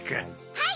はい！